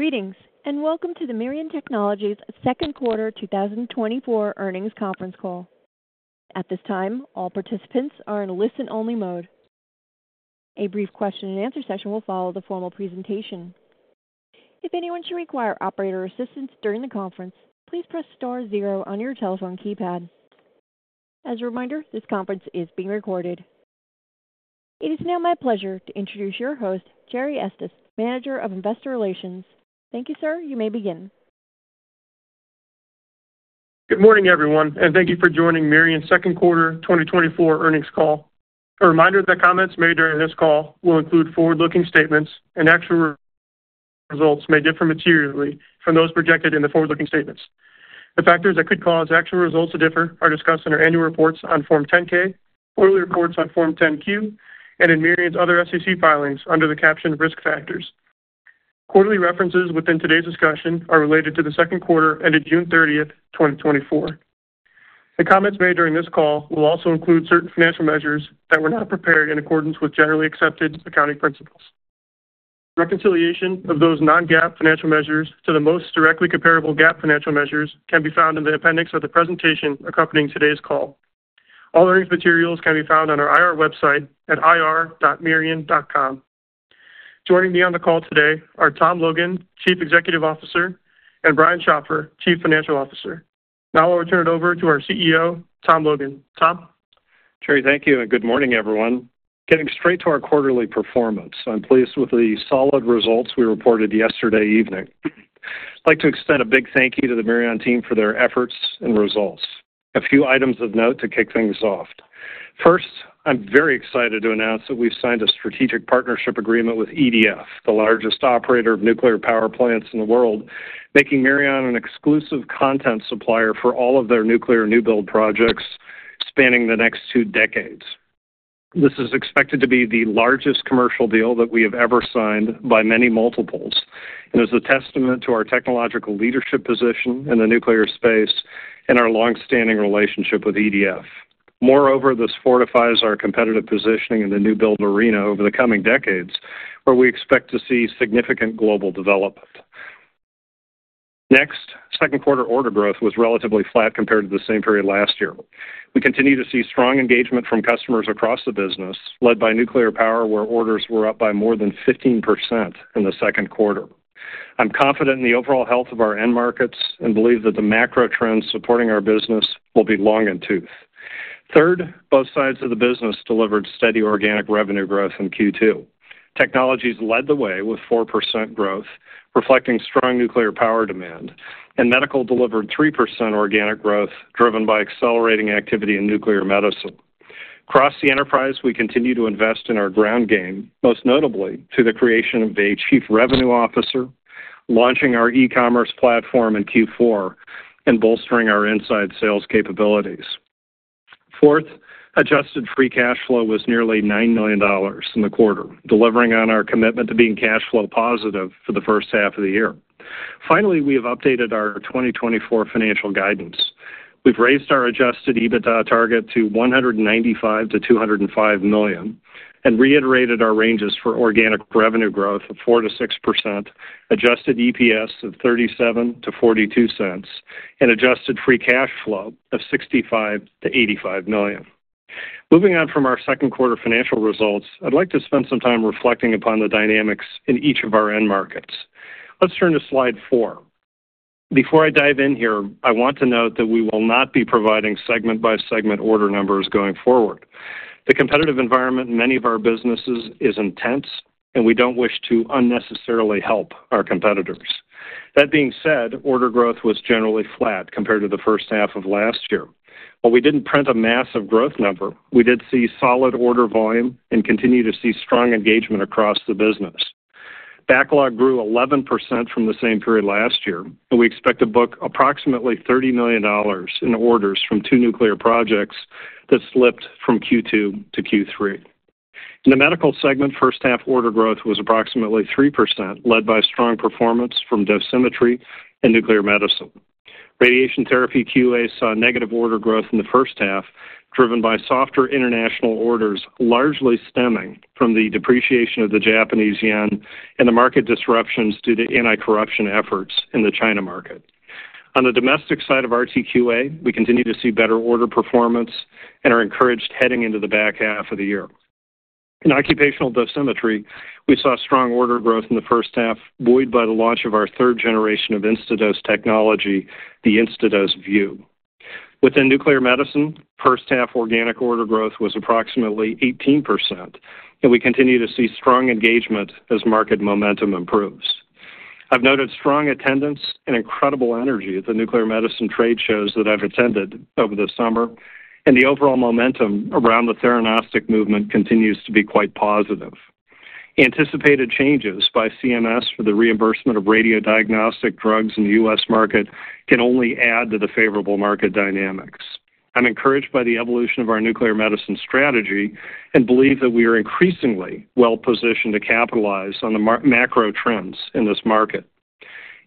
Greetings, and welcome to the Mirion Technologies' second quarter 2024 earnings conference call. At this time, all participants are in listen-only mode. A brief question-and-answer session will follow the formal presentation. If anyone should require operator assistance during the conference, please press star zero on your telephone keypad. As a reminder, this conference is being recorded. It is now my pleasure to introduce your host, Jerry Estes, Manager of Investor Relations. Thank you, sir. You may begin. Good morning, everyone, and thank you for joining Mirion's second quarter 2024 earnings call. A reminder that comments made during this call will include forward-looking statements and actual results may differ materially from those projected in the forward-looking statements. The factors that could cause actual results to differ are discussed in our annual reports on Form 10-K, quarterly reports on Form 10-Q, and in Mirion's other SEC filings under the captioned risk factors. Quarterly references within today's discussion are related to the second quarter ended June 30, 2024. The comments made during this call will also include certain financial measures that were not prepared in accordance with generally accepted accounting principles. Reconciliation of those non-GAAP financial measures to the most directly comparable GAAP financial measures can be found in the appendix of the presentation accompanying today's call. All earnings materials can be found on our IR website at ir.mirion.com. Joining me on the call today are Tom Logan, Chief Executive Officer, and Brian Schopfer, Chief Financial Officer. Now I will turn it over to our CEO, Tom Logan. Tom? Jerry, thank you, and good morning, everyone. Getting straight to our quarterly performance, I'm pleased with the solid results we reported yesterday evening. I'd like to extend a big thank you to the Mirion team for their efforts and results. A few items of note to kick things off. First, I'm very excited to announce that we've signed a strategic partnership agreement with EDF, the largest operator of Nuclear Power plants in the world, making Mirion an exclusive content supplier for all of their Nuclear new build projects spanning the next two decades. This is expected to be the largest commercial deal that we have ever signed by many multiples, and is a testament to our technological leadership position in the Nuclear space and our long-standing relationship with EDF. Moreover, this fortifies our competitive positioning in the new build arena over the coming decades, where we expect to see significant global development. Next, second quarter order growth was relatively flat compared to the same period last year. We continue to see strong engagement from customers across the business, led by Nuclear Power, where orders were up by more than 15% in the second quarter. I'm confident in the overall health of our end markets and believe that the macro trends supporting our business will be long in the tooth. Third, both sides of the business delivered steady organic revenue growth in Q2. Technologies led the way with 4% growth, reflecting strong Nuclear Power demand, and Medical delivered 3% organic growth driven by accelerating activity in Nuclear Medicine. Across the enterprise, we continue to invest in our ground game, most notably through the creation of a Chief Revenue Officer, launching our e-commerce platform in Q4, and bolstering our inside sales capabilities. Fourth, adjusted free cash flow was nearly $9 million in the quarter, delivering on our commitment to being cash flow positive for the first half of the year. Finally, we have updated our 2024 financial guidance. We've raised our adjusted EBITDA target to $195 million-$205 million and reiterated our ranges for organic revenue growth of 4%-6%, adjusted EPS of $0.37-$0.42, and adjusted free cash flow of $65 million-$85 million. Moving on from our second quarter financial results, I'd like to spend some time reflecting upon the dynamics in each of our end markets. Let's turn to slide four. Before I dive in here, I want to note that we will not be providing segment-by-segment order numbers going forward. The competitive environment in many of our businesses is intense, and we don't wish to unnecessarily help our competitors. That being said, order growth was generally flat compared to the first half of last year. While we didn't print a massive growth number, we did see solid order volume and continue to see strong engagement across the business. Backlog grew 11% from the same period last year, and we expect to book approximately $30 million in orders from two Nuclear projects that slipped from Q2 to Q3. In the Medical segment, first-half order growth was approximately 3%, led by strong performance from Dosimetry and Nuclear Medicine. Radiation Therapy QA saw negative order growth in the first half, driven by softer international orders largely stemming from the depreciation of the Japanese yen and the market disruptions due to anti-corruption efforts in the China market. On the domestic side of RTQA, we continue to see better order performance and are encouraged heading into the back half of the year. In occupational Dosimetry, we saw strong order growth in the first half, buoyed by the launch of our third generation of Instadose technology, the Instadose VUE. Within Nuclear Medicine, first-half organic order growth was approximately 18%, and we continue to see strong engagement as market momentum improves. I've noted strong attendance and incredible energy at the Nuclear Medicine trade shows that I've attended over the summer, and the overall momentum around the theranostic movement continues to be quite positive. Anticipated changes by CMS for the reimbursement of radiodiagnostic drugs in the U.S. market can only add to the favorable market dynamics. I'm encouraged by the evolution of our Nuclear Medicine strategy and believe that we are increasingly well-positioned to capitalize on the macro trends in this market.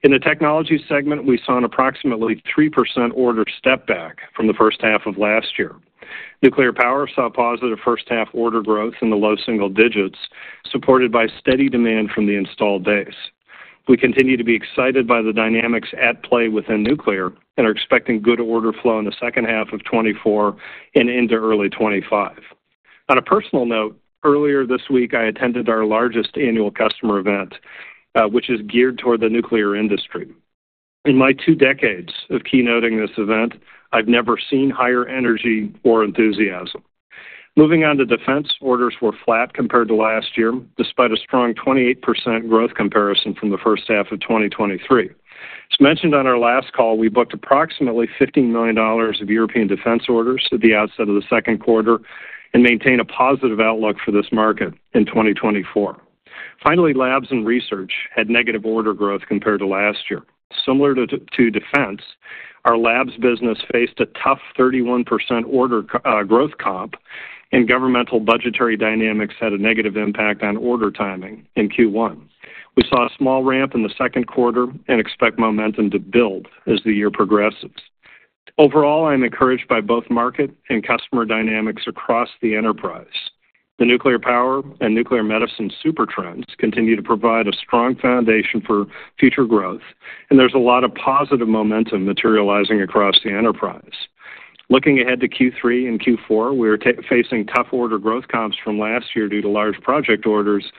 In the Technologies segment, we saw an approximately 3% order step back from the first half of last year. Nuclear power saw positive first-half order growth in the low single digits, supported by steady demand from the installed base. We continue to be excited by the dynamics at play within Nuclear and are expecting good order flow in the second half of 2024 and into early 2025. On a personal note, earlier this week, I attended our largest annual customer event, which is geared toward the Nuclear industry. In my two decades of keynoting this event, I've never seen higher energy or enthusiasm. Moving on to Defense, orders were flat compared to last year, despite a strong 28% growth comparison from the first half of 2023. As mentioned on our last call, we booked approximately $15 million of European Defense orders at the outset of the second quarter and maintain a positive outlook for this market in 2024. Finally, Labs and Research had negative order growth compared to last year. Similar to Defense, our Labs business faced a tough 31% order growth comp, and governmental budgetary dynamics had a negative impact on order timing in Q1. We saw a small ramp in the second quarter and expect momentum to build as the year progresses. Overall, I'm encouraged by both market and customer dynamics across the enterprise. The Nuclear Power and Nuclear Medicine supertrends continue to provide a strong foundation for future growth, and there's a lot of positive momentum materializing across the enterprise. Looking ahead to Q3 and Q4, we are facing tough order growth comps from last year due to large project orders,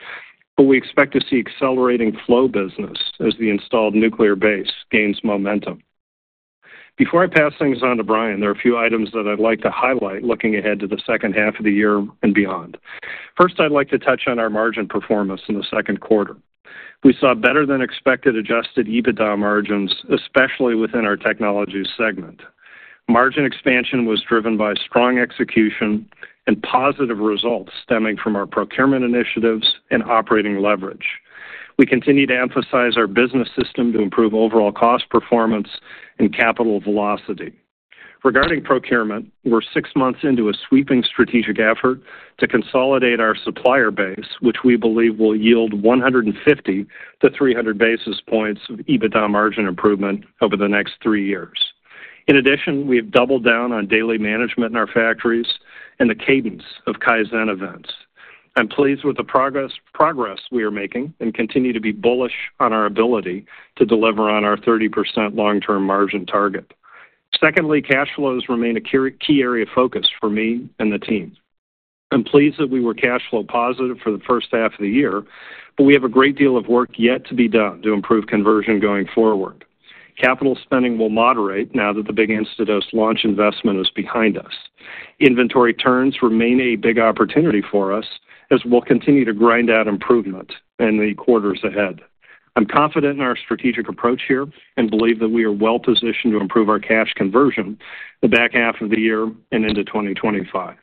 but we expect to see accelerating flow business as the installed Nuclear base gains momentum. Before I pass things on to Brian, there are a few items that I'd like to highlight looking ahead to the second half of the year and beyond. First, I'd like to touch on our margin performance in the second quarter. We saw better-than-expected adjusted EBITDA margins, especially within our Technologies segment. Margin expansion was driven by strong execution and positive results stemming from our procurement initiatives and operating leverage. We continue to emphasize our business system to improve overall cost performance and capital velocity. Regarding procurement, we're six months into a sweeping strategic effort to consolidate our supplier base, which we believe will yield 150 basis points-300 basis points of EBITDA margin improvement over the next three years. In addition, we have doubled down on daily management in our factories and the cadence of Kaizen events. I'm pleased with the progress we are making and continue to be bullish on our ability to deliver on our 30% long-term margin target. Secondly, cash flows remain a key area of focus for me and the team. I'm pleased that we were cash flow positive for the first half of the year, but we have a great deal of work yet to be done to improve conversion going forward. Capital spending will moderate now that the big Instadose launch investment is behind us. Inventory turns remain a big opportunity for us as we'll continue to grind out improvement in the quarters ahead. I'm confident in our strategic approach here and believe that we are well-positioned to improve our cash conversion the back half of the year and into 2025.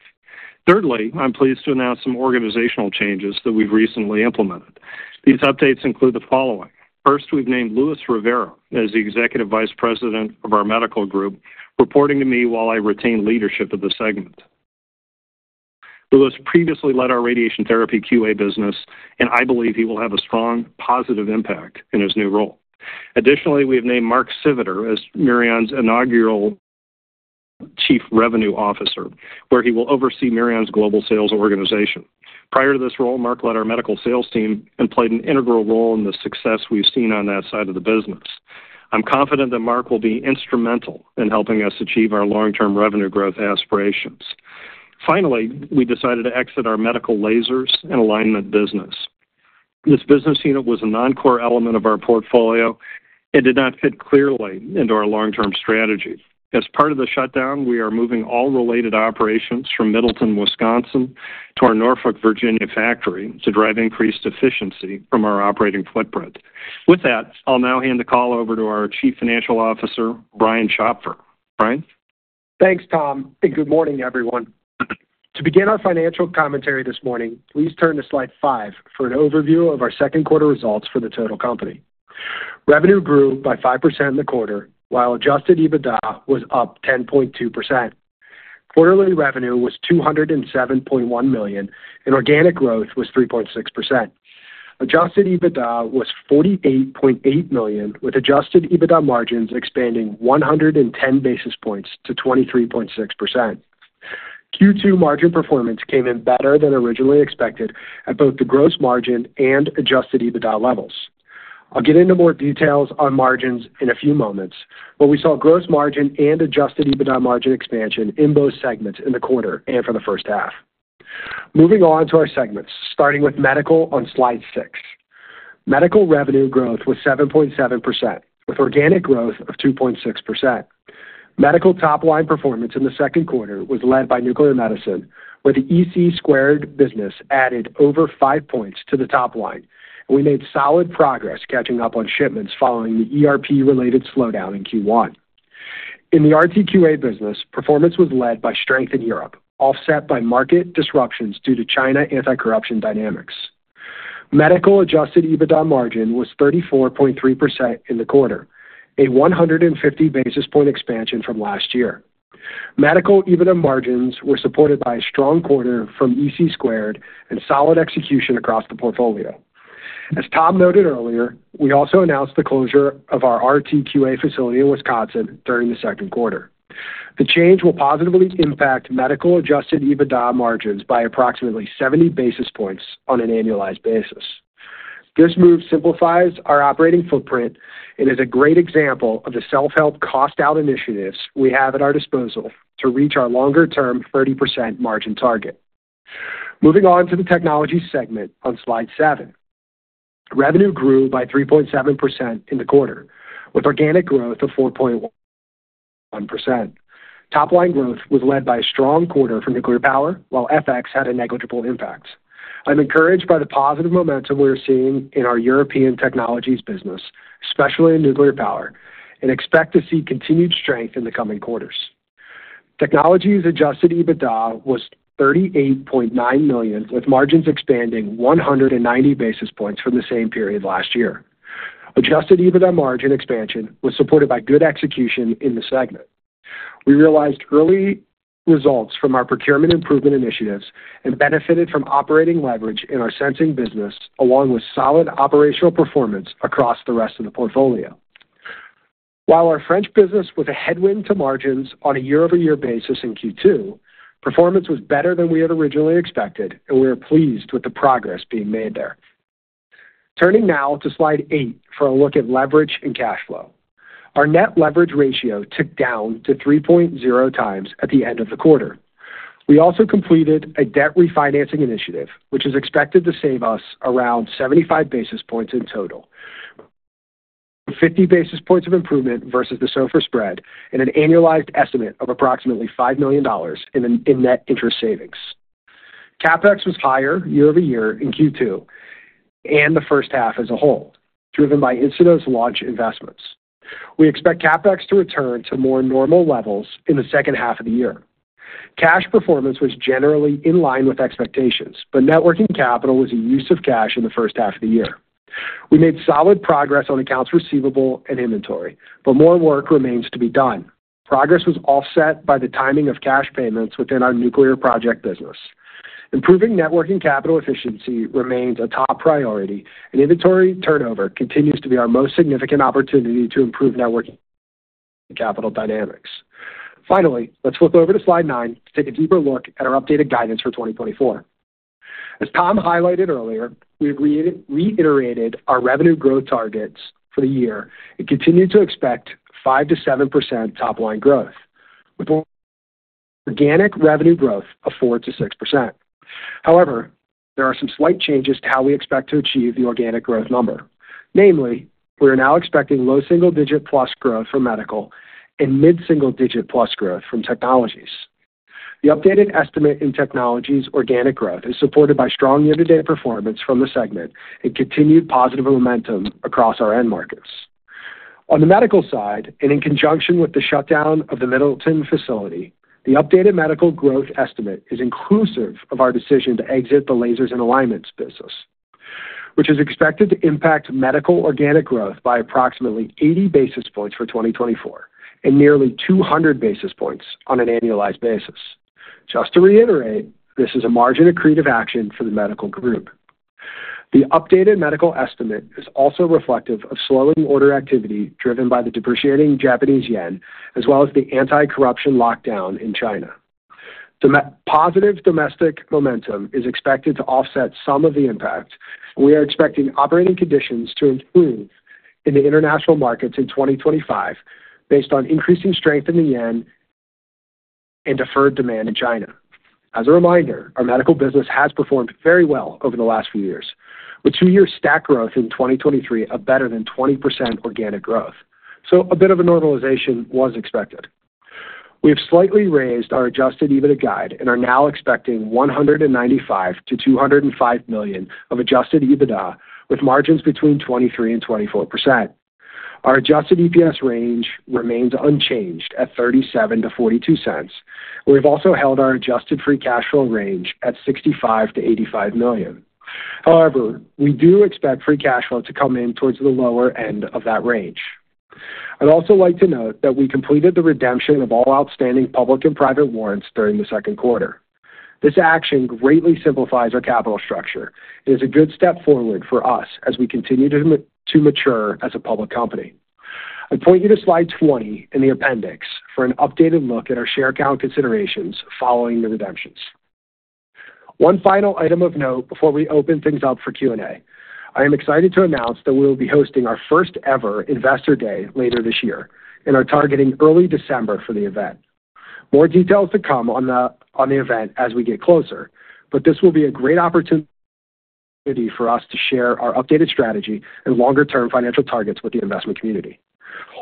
Thirdly, I'm pleased to announce some organizational changes that we've recently implemented. These updates include the following. First, we've named Luis Rivera as the Executive Vice President of our Medical Group, reporting to me while I retain leadership of the segment. Luis previously led our Radiation Therapy QA business, and I believe he will have a strong positive impact in his new role. Additionally, we have named Mark Siviter as Mirion's inaugural Chief Revenue Officer, where he will oversee Mirion's global sales organization. Prior to this role, Mark led our Medical sales team and played an integral role in the success we've seen on that side of the business. I'm confident that Mark will be instrumental in helping us achieve our long-term revenue growth aspirations. Finally, we decided to exit our Medical Lasers and Alignment business. This business unit was a non-core element of our portfolio and did not fit clearly into our long-term strategy. As part of the shutdown, we are moving all related operations from Middleton, Wisconsin, to our Norfolk, Virginia factory to drive increased efficiency from our operating footprint. With that, I'll now hand the call over to our Chief Financial Officer, Brian Schopfer. Brian? Thanks, Tom, and good morning, everyone. To begin our financial commentary this morning, please turn to slide five for an overview of our second quarter results for the total company. Revenue grew by 5% in the quarter, while adjusted EBITDA was up 10.2%. Quarterly revenue was $207.1 million, and organic growth was 3.6%. Adjusted EBITDA was $48.8 million, with adjusted EBITDA margins expanding 110 basis points to 23.6%. Q2 margin performance came in better than originally expected at both the gross margin and adjusted EBITDA levels. I'll get into more details on margins in a few moments, but we saw gross margin and adjusted EBITDA margin expansion in both segments in the quarter and for the first half. Moving on to our segments, starting with Medical on slide six. Medical revenue growth was 7.7%, with organic growth of 2.6%. Medical top-line performance in the second quarter was led by Nuclear Medicine, where the ec² business added over 5 points to the top line, and we made solid progress catching up on shipments following the ERP-related slowdown in Q1. In the RTQA business, performance was led by strength in Europe, offset by market disruptions due to China anti-corruption dynamics. Medical adjusted EBITDA margin was 34.3% in the quarter, a 150 basis point expansion from last year. Medical EBITDA margins were supported by a strong quarter from ec² and solid execution across the portfolio. As Tom noted earlier, we also announced the closure of our RTQA facility in Wisconsin during the second quarter. The change will positively impact Medical adjusted EBITDA margins by approximately 70 basis points on an annualized basis. This move simplifies our operating footprint and is a great example of the self-help cost-out initiatives we have at our disposal to reach our longer-term 30% margin target. Moving on to the Technologies segment on slide 7, revenue grew by 3.7% in the quarter, with organic growth of 4.1%. Top-line growth was led by a strong quarter for Nuclear Power, while FX had a negligible impact. I'm encouraged by the positive momentum we're seeing in our European Technologies business, especially in Nuclear Power, and expect to see continued strength in the coming quarters. Technologies adjusted EBITDA was $38.9 million, with margins expanding 190 basis points from the same period last year. Adjusted EBITDA margin expansion was supported by good execution in the segment. We realized early results from our procurement improvement initiatives and benefited from operating leverage in our Sensing business, along with solid operational performance across the rest of the portfolio. While our French business was a headwind to margins on a year-over-year basis in Q2, performance was better than we had originally expected, and we are pleased with the progress being made there. Turning now to slide 8 for a look at leverage and cash flow. Our net leverage ratio ticked down to 3.0x at the end of the quarter. We also completed a debt refinancing initiative, which is expected to save us around 75 basis points in total, 50 basis points of improvement versus the SOFR spread, and an annualized estimate of approximately $5 million in net interest savings. CapEx was higher year-over-year in Q2 and the first half as a whole, driven by Instadose launch investments. We expect CapEx to return to more normal levels in the second half of the year. Cash performance was generally in line with expectations, but working capital was a use of cash in the first half of the year. We made solid progress on accounts receivable and inventory, but more work remains to be done. Progress was offset by the timing of cash payments within our Nuclear project business. Improving working capital efficiency remains a top priority, and inventory turnover continues to be our most significant opportunity to improve working capital dynamics. Finally, let's flip over to slide nine to take a deeper look at our updated guidance for 2024. As Tom highlighted earlier, we have reiterated our revenue growth targets for the year and continue to expect 5%-7% top-line growth, with organic revenue growth of 4%-6%. However, there are some slight changes to how we expect to achieve the organic growth number. Namely, we are now expecting low single-digit plus growth for Medical and mid-single-digit plus growth from Technologies. The updated estimate in Technologies organic growth is supported by strong year-to-date performance from the segment and continued positive momentum across our end markets. On the Medical side, and in conjunction with the shutdown of the Middleton facility, the updated Medical growth estimate is inclusive of our decision to exit the Lasers and Alignment business, which is expected to impact Medical organic growth by approximately 80 basis points for 2024 and nearly 200 basis points on an annualized basis. Just to reiterate, this is a margin accretive action for the Medical group. The updated Medical estimate is also reflective of slowing order activity driven by the depreciating Japanese yen, as well as the anti-corruption lockdown in China. The positive domestic momentum is expected to offset some of the impact, and we are expecting operating conditions to improve in the international markets in 2025 based on increasing strength in the yen and deferred demand in China. As a reminder, our Medical business has performed very well over the last few years, with two-year stack growth in 2023 of better than 20% organic growth. A bit of a normalization was expected. We have slightly raised our adjusted EBITDA guide and are now expecting $195 million-$205 million of adjusted EBITDA with margins between 23% and 24%. Our adjusted EPS range remains unchanged at $0.37-$0.42. We have also held our adjusted free cash flow range at $65 million-$85 million. However, we do expect free cash flow to come in towards the lower end of that range. I'd also like to note that we completed the redemption of all outstanding public and private warrants during the second quarter. This action greatly simplifies our capital structure. It is a good step forward for us as we continue to mature as a public company. I point you to slide 20 in the appendix for an updated look at our share account considerations following the redemptions. One final item of note before we open things up for Q&A. I am excited to announce that we will be hosting our first-ever Investor Day later this year, and are targeting early December for the event. More details to come on the event as we get closer, but this will be a great opportunity for us to share our updated strategy and longer-term financial targets with the investment community.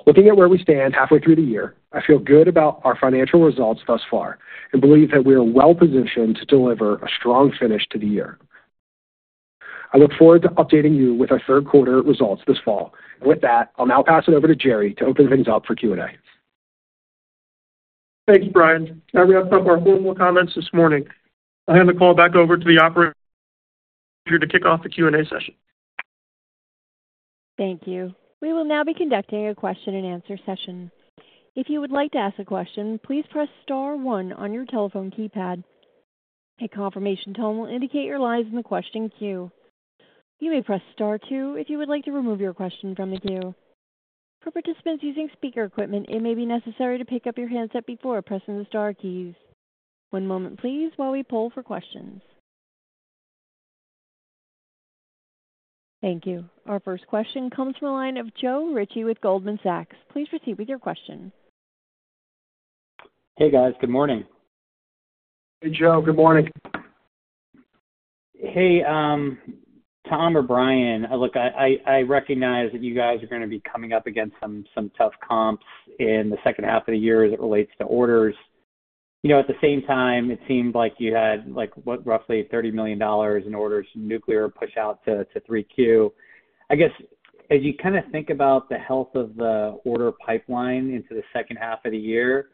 Looking at where we stand halfway through the year, I feel good about our financial results thus far and believe that we are well-positioned to deliver a strong finish to the year. I look forward to updating you with our third quarter results this fall. With that, I'll now pass it over to Jerry to open things up for Q&A. Thanks, Brian. Now we have some more formal comments this morning. I'll hand the call back over to the operator to kick off the Q&A session. Thank you. We will now be conducting a question-and-answer session. If you would like to ask a question, please press star one on your telephone keypad. A confirmation tone will indicate your line is in the question queue. You may press star two if you would like to remove your question from the queue. For participants using speaker equipment, it may be necessary to pick up your handset before pressing the star keys. One moment, please, while we poll for questions. Thank you. Our first question comes from a line of Joe Ritchie with Goldman Sachs. Please proceed with your question. Hey, guys. Good morning. Hey, Joe. Good morning. Hey, Tom or Brian. Look, I recognize that you guys are going to be coming up against some tough comps in the second half of the year as it relates to orders. At the same time, it seemed like you had roughly $30 million in orders from Nuclear push out to 3Q. I guess, as you kind of think about the health of the order pipeline into the second half of the year,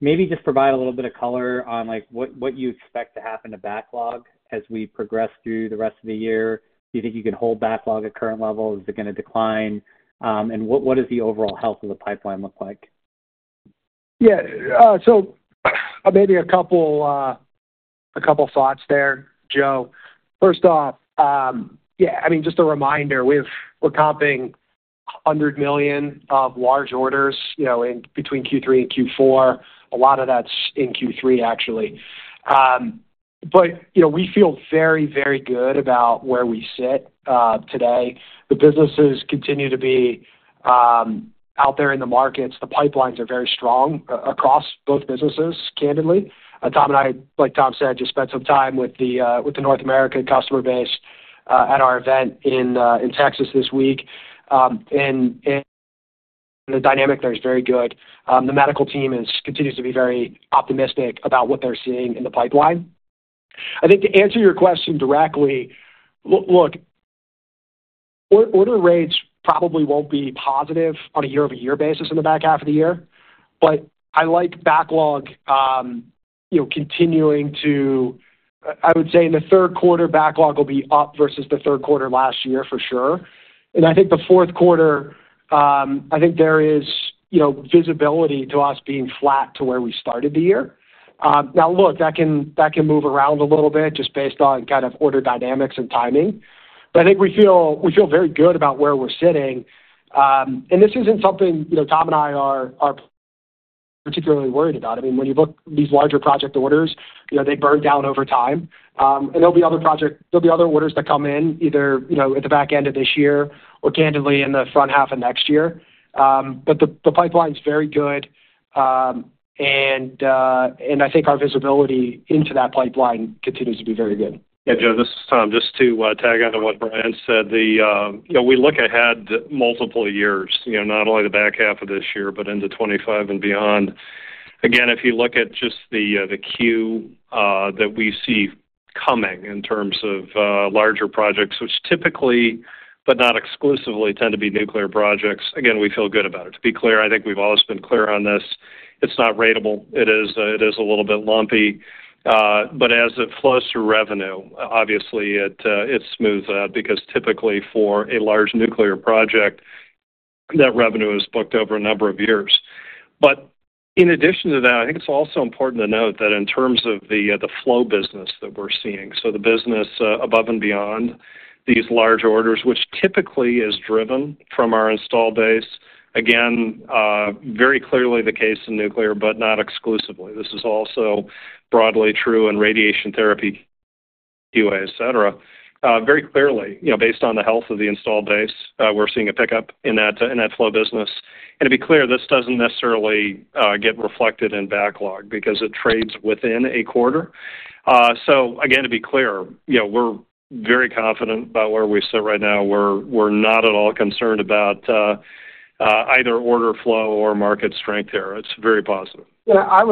maybe just provide a little bit of color on what you expect to happen to backlog as we progress through the rest of the year. Do you think you can hold backlog at current levels? Is it going to decline? And what does the overall health of the pipeline look like? Yeah. So maybe a couple of thoughts there, Joe. First off, yeah, I mean, just a reminder, we're comping $100 million of large orders between Q3 and Q4. A lot of that's in Q3, actually. But we feel very, very good about where we sit today. The businesses continue to be out there in the markets. The pipelines are very strong across both businesses, candidly. Tom and I, like Tom said, just spent some time with the North America customer base at our event in Texas this week. And the dynamic there is very good. The Medical team continues to be very optimistic about what they're seeing in the pipeline. I think to answer your question directly, look, order rates probably won't be positive on a year-over-year basis in the back half of the year. But I like backlog continuing to, I would say, in the third quarter, backlog will be up versus the third quarter last year, for sure. And I think the fourth quarter, I think there is visibility to us being flat to where we started the year. Now, look, that can move around a little bit just based on kind of order dynamics and timing. But I think we feel very good about where we're sitting. And this isn't something Tom and I are particularly worried about. I mean, when you look at these larger project orders, they burn down over time. And there'll be other projects. There'll be other orders that come in either at the back end of this year or, candidly, in the front half of next year. But the pipeline is very good. And I think our visibility into that pipeline continues to be very good. Yeah, Joe, this is Tom. Just to tag on to what Brian said, we look ahead multiple years, not only the back half of this year, but into 2025 and beyond. Again, if you look at just the queue that we see coming in terms of larger projects, which typically, but not exclusively, tend to be Nuclear Projects, again, we feel good about it. To be clear, I think we've always been clear on this. It's not ratable. It is a little bit lumpy. But as it flows through revenue, obviously, it's smooth because typically, for a large Nuclear Project, that revenue is booked over a number of years. But in addition to that, I think it's also important to note that in terms of the flow business that we're seeing, so the business above and beyond these large orders, which typically is driven from our install base, again, very clearly the case in Nuclear, but not exclusively. This is also broadly true in Radiation Therapy, QA, etc. Very clearly, based on the health of the install base, we're seeing a pickup in that flow business. And to be clear, this doesn't necessarily get reflected in backlog because it trades within a quarter. So again, to be clear, we're very confident about where we sit right now. We're not at all concerned about either order flow or market strength here. It's very positive. Yeah.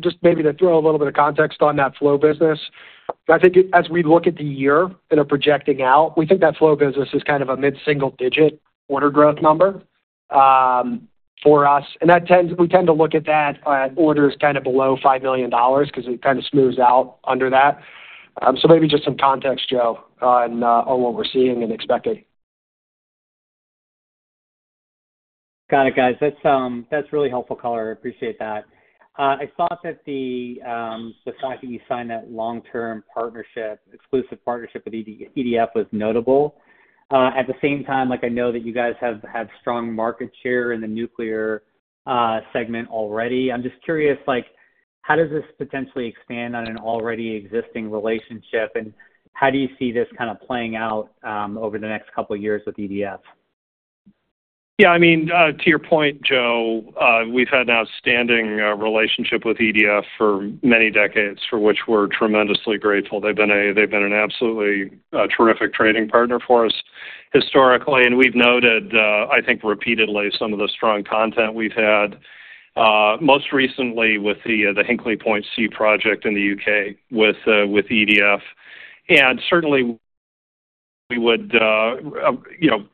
Just maybe to throw a little bit of context on that flow business, I think as we look at the year and are projecting out, we think that flow business is kind of a mid-single-digit order growth number for us. And we tend to look at that orders kind of below $5 million because it kind of smooths out under that. So maybe just some context, Joe, on what we're seeing and expecting. Got it, guys. That's really helpful color. I appreciate that. I thought that the fact that you signed that long-term exclusive partnership with EDF was notable. At the same time, I know that you guys have strong market share in the Nuclear segment already. I'm just curious, how does this potentially expand on an already existing relationship? And how do you see this kind of playing out over the next couple of years with EDF? Yeah. I mean, to your point, Joe, we've had an outstanding relationship with EDF for many decades, for which we're tremendously grateful. They've been an absolutely terrific trading partner for us historically. And we've noted, I think, repeatedly some of the strong content we've had, most recently with the Hinkley Point C project in the U.K. with EDF. And certainly, we would,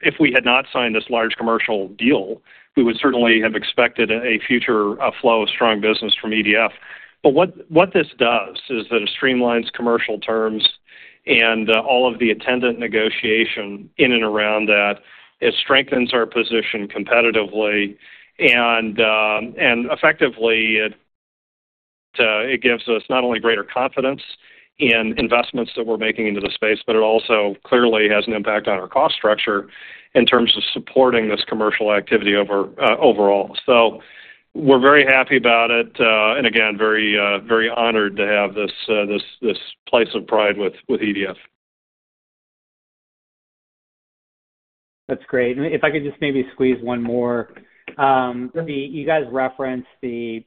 if we had not signed this large commercial deal, we would certainly have expected a future flow of strong business from EDF. But what this does is that it streamlines commercial terms and all of the attendant negotiation in and around that. It strengthens our position competitively. And effectively, it gives us not only greater confidence in investments that we're making into the space, but it also clearly has an impact on our cost structure in terms of supporting this commercial activity overall. We're very happy about it. Again, very honored to have this place of pride with EDF. That's great. If I could just maybe squeeze one more. You guys referenced the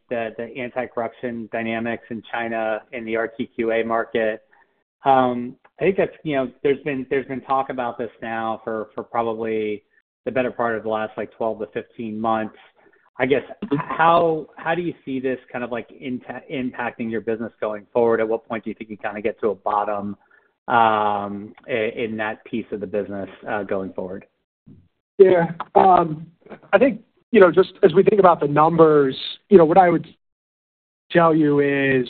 anti-corruption dynamics in China and the RTQA market. I think there's been talk about this now for probably the better part of the last 12-15 months. I guess, how do you see this kind of impacting your business going forward? At what point do you think you kind of get to a bottom in that piece of the business going forward? Yeah. I think just as we think about the numbers, what I would tell you is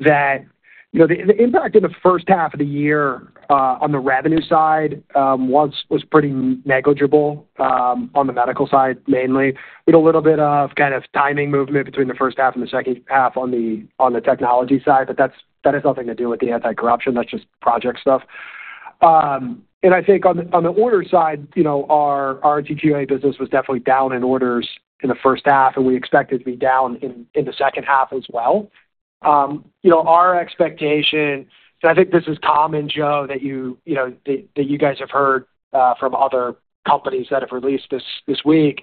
that the impact in the first half of the year on the revenue side was pretty negligible on the Medical side, mainly. We had a little bit of kind of timing movement between the first half and the second half on the Technologies side, but that has nothing to do with the anti-corruption. That's just project stuff. And I think on the order side, our RTQA business was definitely down in orders in the first half, and we expected to be down in the second half as well. Our expectation, and I think this is common, Joe, that you guys have heard from other companies that have released this week.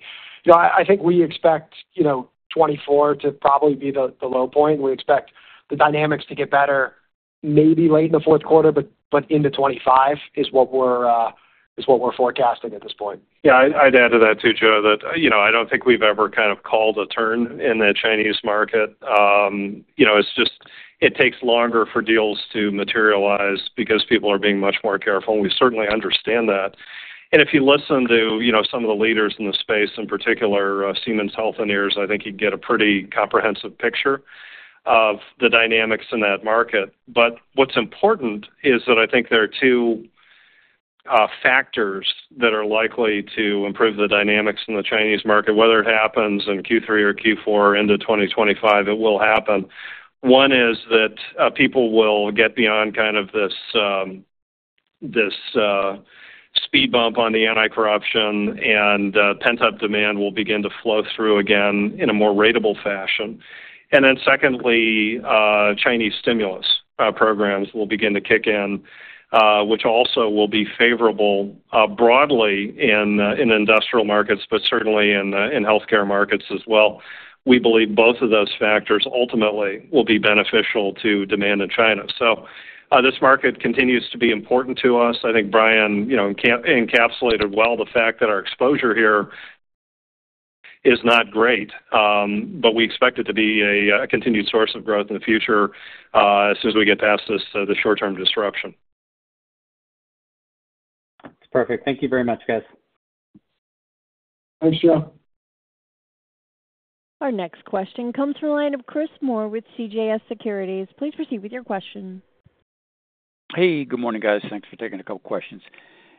I think we expect 2024 to probably be the low point. We expect the dynamics to get better maybe late in the fourth quarter, but into 2025 is what we're forecasting at this point. Yeah. I'd add to that too, Joe, that I don't think we've ever kind of called a turn in the Chinese market. It takes longer for deals to materialize because people are being much more careful. And we certainly understand that. And if you listen to some of the leaders in the space, in particular, Siemens Healthineers, I think you'd get a pretty comprehensive picture of the dynamics in that market. But what's important is that I think there are two factors that are likely to improve the dynamics in the Chinese market. Whether it happens in Q3 or Q4 or into 2025, it will happen. One is that people will get beyond kind of this speed bump on the anti-corruption, and pent-up demand will begin to flow through again in a more ratable fashion. And then secondly, Chinese stimulus programs will begin to kick in, which also will be favorable broadly in industrial markets, but certainly in healthcare markets as well. We believe both of those factors ultimately will be beneficial to demand in China. So this market continues to be important to us. I think Brian encapsulated well the fact that our exposure here is not great, but we expect it to be a continued source of growth in the future as soon as we get past this short-term disruption. That's perfect. Thank you very much, guys. Thanks, Joe. Our next question comes from a line of Chris Moore with CJS Securities. Please proceed with your question. Hey, good morning, guys. Thanks for taking a couple of questions.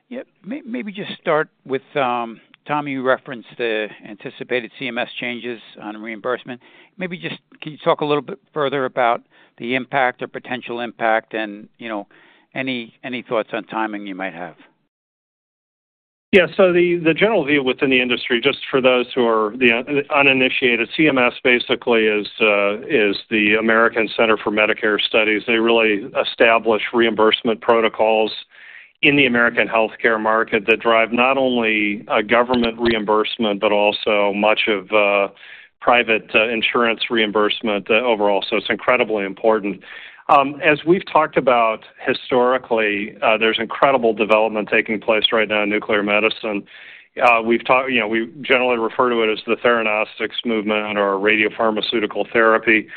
Yeah. Maybe just start with, Tom, you referenced the anticipated CMS changes on reimbursement. Maybe just can you talk a little bit further about the impact or potential impact and any thoughts on timing you might have? Yeah. So the general view within the industry, just for those who are uninitiated, CMS basically is the Centers for Medicare & Medicaid Services. They really establish reimbursement protocols in the American healthcare market that drive not only government reimbursement, but also much of private insurance reimbursement overall. So it's incredibly important. As we've talked about historically, there's incredible development taking place right now in Nuclear Medicine. We generally refer to it as the theranostics movement or radiopharmaceutical therapy.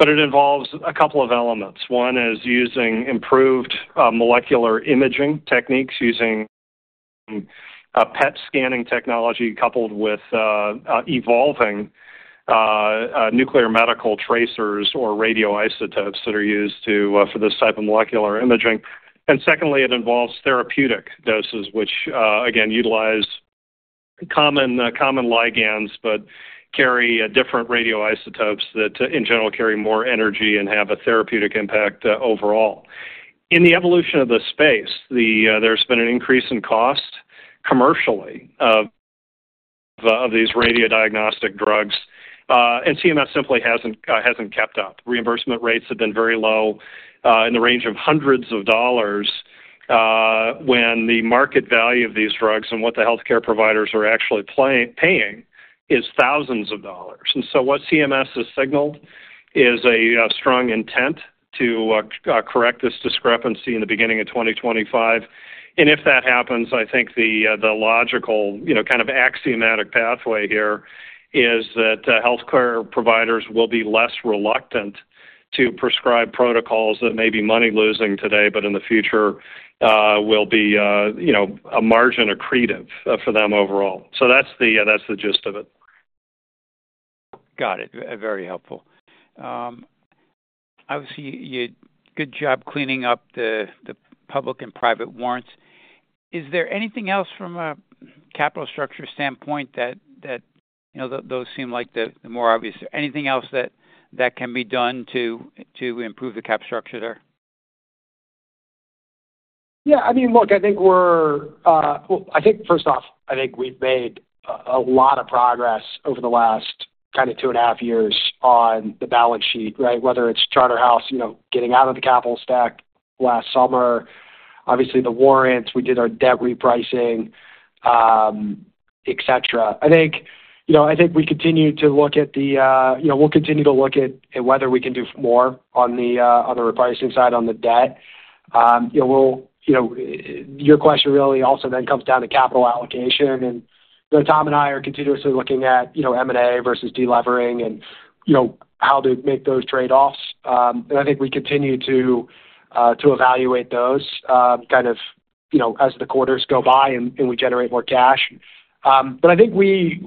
But it involves a couple of elements. One is using improved molecular imaging techniques using PET scanning technology coupled with evolving Nuclear Medicine tracers or radioisotopes that are used for this type of molecular imaging. And secondly, it involves therapeutic doses, which, again, utilize common ligands but carry different radioisotopes that, in general, carry more energy and have a therapeutic impact overall. In the evolution of the space, there's been an increase in cost commercially of these radiodiagnostic drugs. CMS simply hasn't kept up. Reimbursement rates have been very low in the range of hundreds of dollars when the market value of these drugs and what the healthcare providers are actually paying is thousands of dollars. So what CMS has signaled is a strong intent to correct this discrepancy in the beginning of 2025. If that happens, I think the logical kind of axiomatic pathway here is that healthcare providers will be less reluctant to prescribe protocols that may be money-losing today, but in the future will be a margin accretive for them overall. So that's the gist of it. Got it. Very helpful. Obviously, you did a good job cleaning up the public and private warrants. Is there anything else from a capital structure standpoint that those seem like the more obvious? Anything else that can be done to improve the cap structure there? Yeah. I mean, look, I think we're—I think, first off, I think we've made a lot of progress over the last kind of 2.5 years on the balance sheet, right? Whether it's Charterhouse getting out of the capital stack last summer, obviously the warrants, we did our debt repricing, etc. I think we continue to look at the—we'll continue to look at whether we can do more on the repricing side on the debt. Your question really also then comes down to capital allocation. Tom and I are continuously looking at M&A versus delevering and how to make those trade-offs. I think we continue to evaluate those kind of as the quarters go by and we generate more cash. But I think we've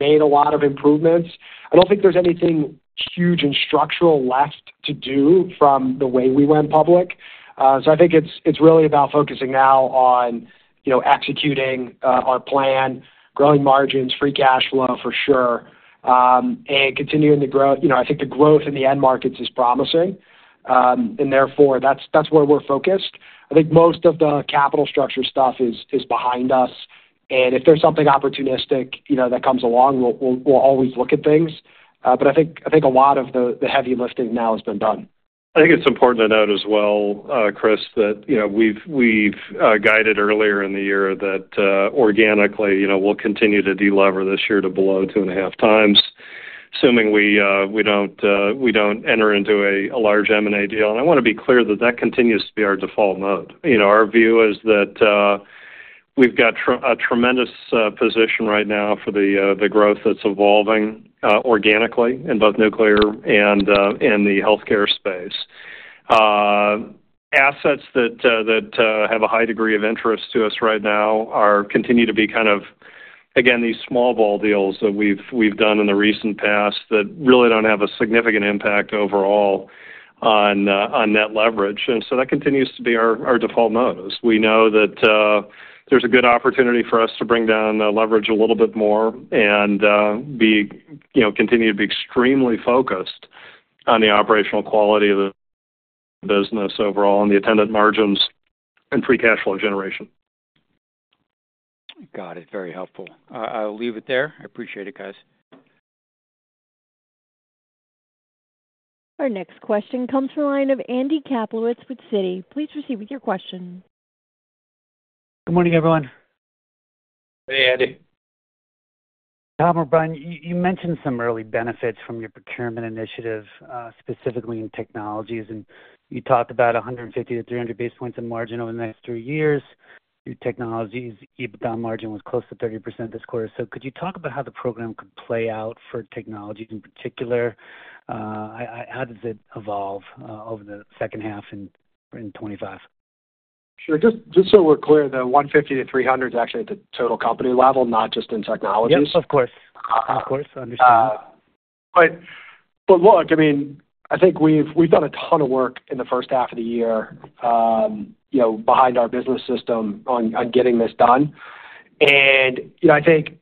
made a lot of improvements. I don't think there's anything huge and structural left to do from the way we went public. I think it's really about focusing now on executing our plan, growing margins, free cash flow for sure, and continuing to grow. I think the growth in the end markets is promising. Therefore, that's where we're focused. I think most of the capital structure stuff is behind us. If there's something opportunistic that comes along, we'll always look at things. I think a lot of the heavy lifting now has been done. I think it's important to note as well, Chris, that we've guided earlier in the year that organically we'll continue to delever this year to below 2.5x, assuming we don't enter into a large M&A deal. I want to be clear that that continues to be our default mode. Our view is that we've got a tremendous position right now for the growth that's evolving organically in both Nuclear and in the healthcare space. Assets that have a high degree of interest to us right now continue to be kind of, again, these small ball deals that we've done in the recent past that really don't have a significant impact overall on net leverage. And so that continues to be our default mode. We know that there's a good opportunity for us to bring down leverage a little bit more and continue to be extremely focused on the operational quality of the business overall and the attendant margins and free cash flow generation. Got it. Very helpful. I'll leave it there. I appreciate it, guys. Our next question comes from a line of Andrew Kaplowitz with Citi. Please proceed with your question. Good morning, everyone. Hey, Andy. Tom, we're buying. You mentioned some early benefits from your procurement initiative, specifically in Technologies. And you talked about 150 basis points-300 basis points of margin over the next three years. Your Technologies EBITDA margin was close to 30% this quarter. So could you talk about how the program could play out for Technologies in particular? How does it evolve over the second half in 2025? Sure. Just so we're clear, the 150-300 is actually at the total company level, not just in Technologies. Yes, of course. Of course. Understand. But look, I mean, I think we've done a ton of work in the first half of the year behind our business system on getting this done. And I think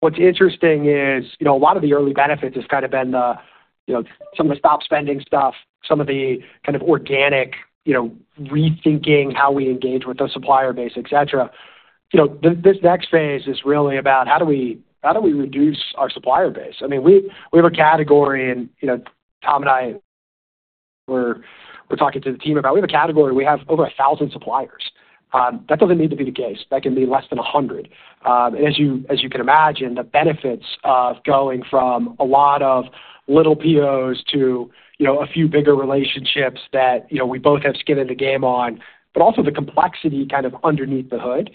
what's interesting is a lot of the early benefits has kind of been some of the stop spending stuff, some of the kind of organic rethinking how we engage with the supplier base, etc. This next phase is really about how do we reduce our supplier base? I mean, we have a category, and Tom and I were talking to the team about we have a category. We have over 1,000 suppliers. That doesn't need to be the case. That can be less than 100. As you can imagine, the benefits of going from a lot of little POs to a few bigger relationships that we both have skin in the game on, but also the complexity kind of underneath the hood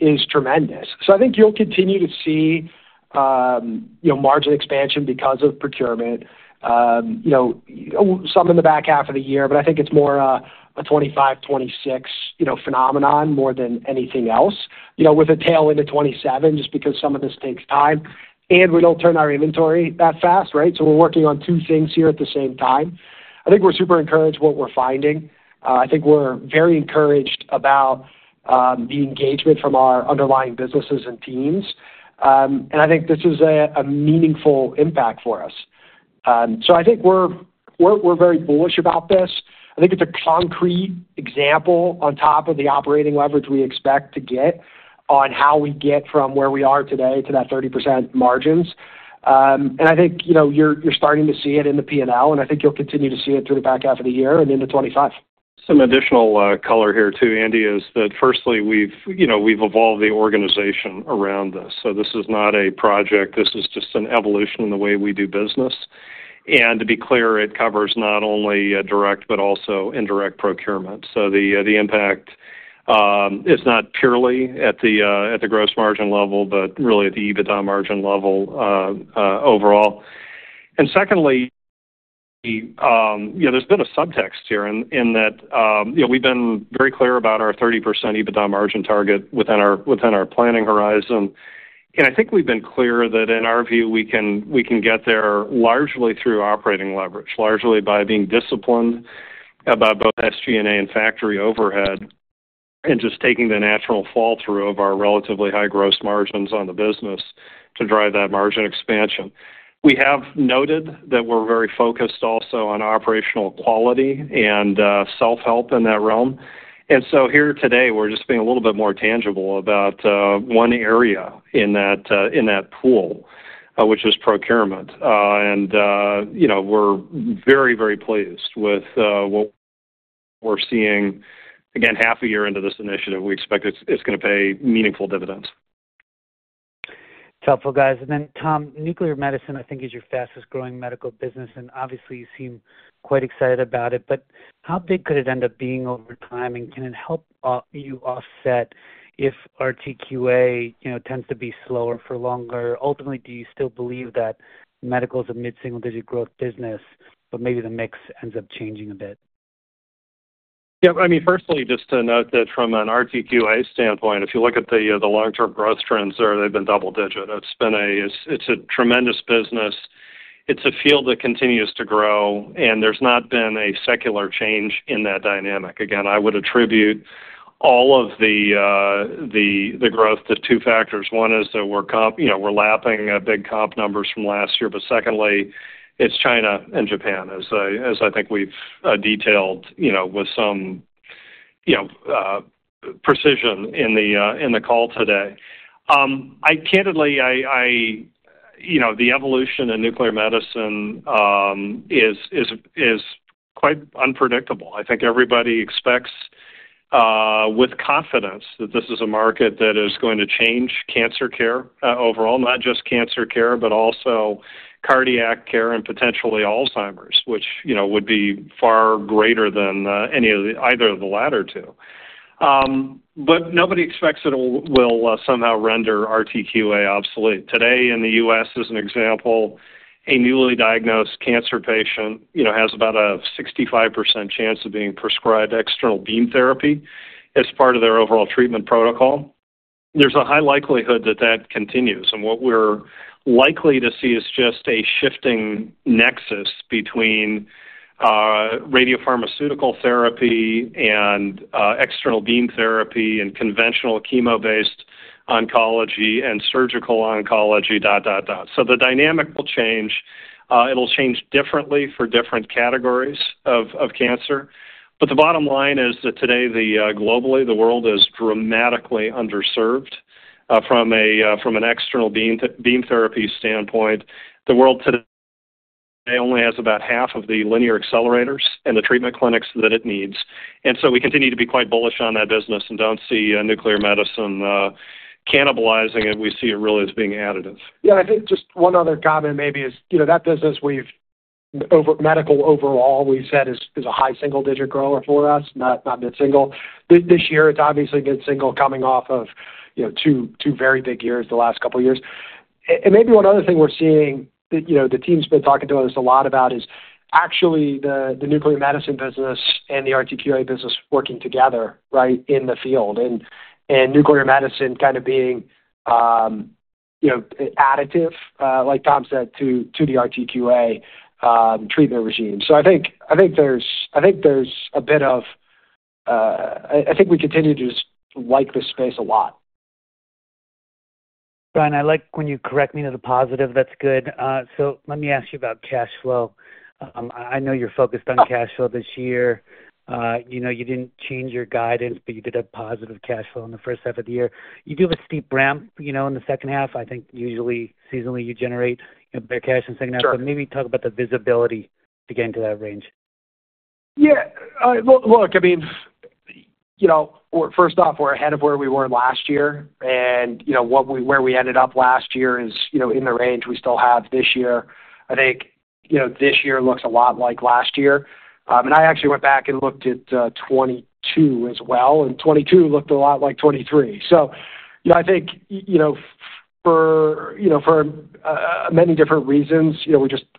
is tremendous. I think you'll continue to see margin expansion because of procurement, some in the back half of the year, but I think it's more a 2025, 2026 phenomenon more than anything else, with a tail into 2027 just because some of this takes time. We don't turn our inventory that fast, right? We're working on two things here at the same time. I think we're super encouraged what we're finding. I think we're very encouraged about the engagement from our underlying businesses and teams. This is a meaningful impact for us. We're very bullish about this. I think it's a concrete example on top of the operating leverage we expect to get on how we get from where we are today to that 30% margins. And I think you're starting to see it in the P&L, and I think you'll continue to see it through the back half of the year and into 2025. Some additional color here too, Andy, is that firstly, we've evolved the organization around this. So this is not a project. This is just an evolution in the way we do business. And to be clear, it covers not only direct but also indirect procurement. So the impact is not purely at the gross margin level, but really at the EBITDA margin level overall. And secondly, there's been a subtext here in that we've been very clear about our 30% EBITDA margin target within our planning horizon. And I think we've been clear that in our view, we can get there largely through operating leverage, largely by being disciplined about both SG&A and factory overhead, and just taking the natural fall-through of our relatively high gross margins on the business to drive that margin expansion. We have noted that we're very focused also on operational quality and self-help in that realm. So here today, we're just being a little bit more tangible about one area in that pool, which is procurement. We're very, very pleased with what we're seeing. Again, half a year into this initiative, we expect it's going to pay meaningful dividends. Thanks, guys. Then, Tom, Nuclear Medicine, I think, is your fastest-growing Medical business. And obviously, you seem quite excited about it. But how big could it end up being over time? And can it help you offset if RTQA tends to be slower for longer? Ultimately, do you still believe that Medical is a mid-single-digit growth business, but maybe the mix ends up changing a bit? Yeah. I mean, firstly, just to note that from an RTQA standpoint, if you look at the long-term growth trends there, they've been double-digit. It's a tremendous business. It's a field that continues to grow. And there's not been a secular change in that dynamic. Again, I would attribute all of the growth to two factors. One is that we're lapping big comp numbers from last year. But secondly, it's China and Japan, as I think we've detailed with some precision in the call today. Candidly, the evolution in Nuclear Medicine is quite unpredictable. I think everybody expects with confidence that this is a market that is going to change cancer care overall, not just cancer care, but also cardiac care and potentially Alzheimer's, which would be far greater than either of the latter two. But nobody expects it will somehow render RTQA obsolete. Today, in the U.S., as an example, a newly diagnosed cancer patient has about a 65% chance of being prescribed external beam therapy as part of their overall treatment protocol. There's a high likelihood that that continues. What we're likely to see is just a shifting nexus between radiopharmaceutical therapy and external beam therapy and conventional chemo-based oncology and surgical oncology.... The dynamic will change. It'll change differently for different categories of cancer. The bottom line is that today, globally, the world is dramatically underserved from an external beam therapy standpoint. The world today only has about half of the linear accelerators and the treatment clinics that it needs. We continue to be quite bullish on that business and don't see Nuclear Medicine cannibalizing it. We see it really as being additive. Yeah. And I think just one other comment maybe is that business, Medical overall, we've said is a high single-digit grower for us, not mid-single. This year, it's obviously mid-single coming off of two very big years the last couple of years. And maybe one other thing we're seeing that the team's been talking to us a lot about is actually the Nuclear Medicine business and the RTQA business working together, right, in the field, and Nuclear Medicine kind of being additive, like Tom said, to the RTQA treatment regime. So I think there's a bit of I think we continue to just like this space a lot. Brian, I like when you correct me to the positive. That's good. So let me ask you about cash flow. I know you're focused on cash flow this year. You didn't change your guidance, but you did have positive cash flow in the first half of the year. You do have a steep ramp in the second half. I think usually seasonally you generate better cash in the second half. So maybe talk about the visibility to get into that range? Yeah. Look, I mean, first off, we're ahead of where we were last year. And where we ended up last year is in the range we still have this year. I think this year looks a lot like last year. And I actually went back and looked at 2022 as well. And 2022 looked a lot like 2023. So I think for many different reasons,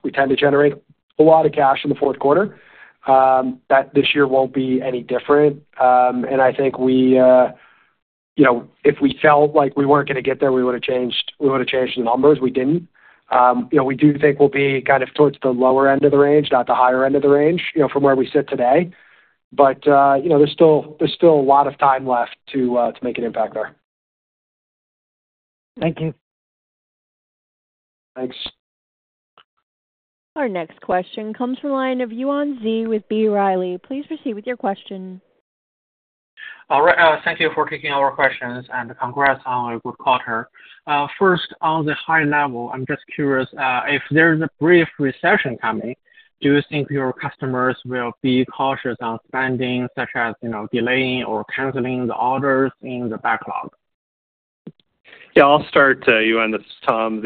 we tend to generate a lot of cash in the fourth quarter. That this year won't be any different. And I think if we felt like we weren't going to get there, we would have changed the numbers. We didn't. We do think we'll be kind of towards the lower end of the range, not the higher end of the range from where we sit today. But there's still a lot of time left to make an impact there. Thank you. Thanks. Our next question comes from a line of Yuan Zhi with B. Riley. Please proceed with your question. All right. Thank you for taking our questions. Congrats on a good quarter. First, on the high level, I'm just curious, if there's a brief recession coming, do you think your customers will be cautious on spending, such as delaying or canceling the orders in the backlog? Yeah. I'll start, Yuan. This is Tom.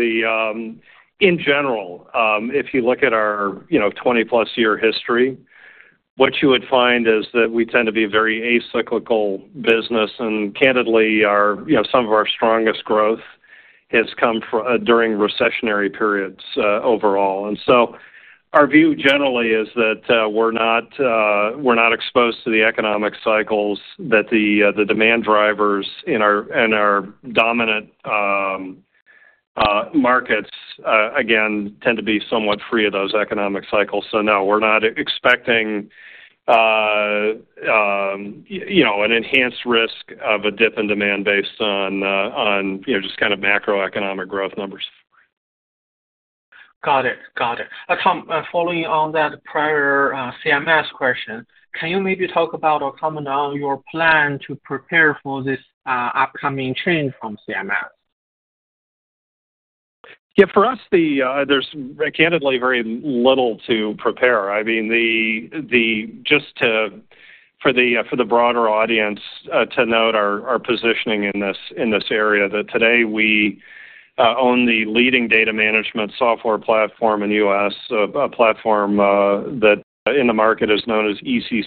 In general, if you look at our 20+ year history, what you would find is that we tend to be a very acyclical business. And candidly, some of our strongest growth has come during recessionary periods overall. And so our view generally is that we're not exposed to the economic cycles that the demand drivers in our dominant markets, again, tend to be somewhat free of those economic cycles. So no, we're not expecting an enhanced risk of a dip in demand based on just kind of macroeconomic growth numbers. Got it. Got it. Tom, following on that prior CMS question, can you maybe talk about or comment on your plan to prepare for this upcoming change from CMS? Yeah. For us, there's candidly very little to prepare. I mean, just for the broader audience to note our positioning in this area, that today we own the leading data management software platform in the U.S., a platform that in the market is known as ec².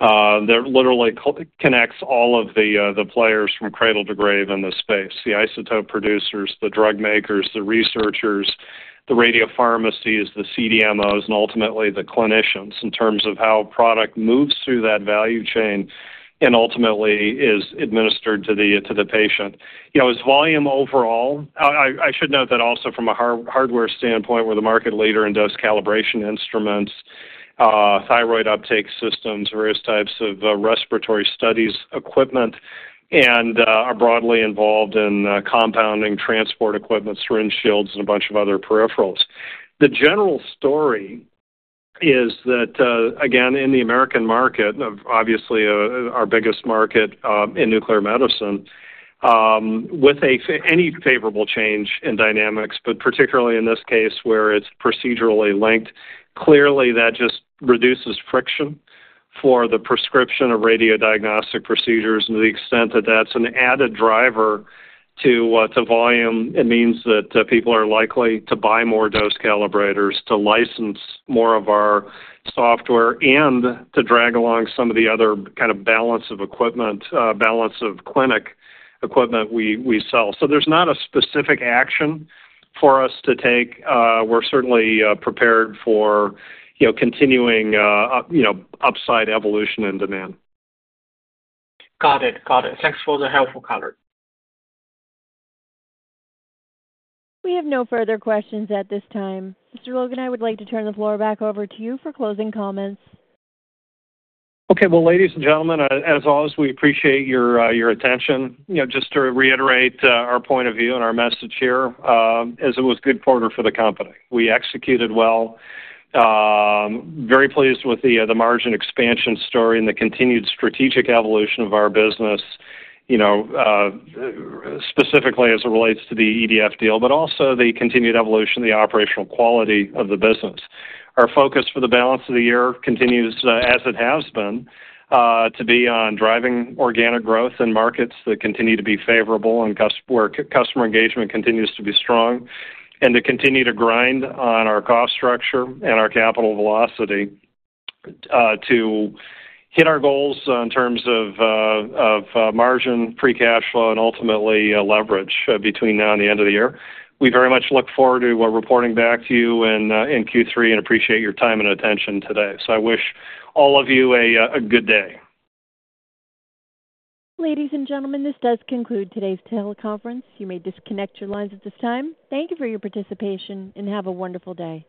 That literally connects all of the players from cradle to grave in this space: the isotope producers, the drug makers, the researchers, the radiopharmacies, the CDMOs, and ultimately the clinicians in terms of how product moves through that value chain and ultimately is administered to the patient. As volume overall, I should note that also from a hardware standpoint, we're the market leader in dose calibration instruments, thyroid uptake systems, various types of respiratory studies equipment, and are broadly involved in compounding transport equipment, syringe shields, and a bunch of other peripherals. The general story is that, again, in the American market, obviously our biggest market in Nuclear Medicine, with any favorable change in dynamics, but particularly in this case where it's procedurally linked, clearly that just reduces friction for the prescription of radiodiagnostic procedures. To the extent that that's an added driver to volume, it means that people are likely to buy more dose calibrators, to license more of our software, and to drag along some of the other kind of balance of equipment, balance of clinic equipment we sell. There's not a specific action for us to take. We're certainly prepared for continuing upside evolution in demand. Got it. Got it. Thanks for the helpful color. We have no further questions at this time. Mr. Logan, I would like to turn the floor back over to you for closing comments. Okay. Well, ladies and gentlemen, as always, we appreciate your attention. Just to reiterate our point of view and our message here, as it was good quarter for the company. We executed well. Very pleased with the margin expansion story and the continued strategic evolution of our business, specifically as it relates to the EDF deal, but also the continued evolution of the operational quality of the business. Our focus for the balance of the year continues as it has been to be on driving organic growth in markets that continue to be favorable and where customer engagement continues to be strong, and to continue to grind on our cost structure and our capital velocity to hit our goals in terms of margin, free cash flow, and ultimately leverage between now and the end of the year. We very much look forward to reporting back to you in Q3 and appreciate your time and attention today. I wish all of you a good day. Ladies and gentlemen, this does conclude today's teleconference. You may disconnect your lines at this time. Thank you for your participation and have a wonderful day.